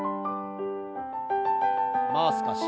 もう少し。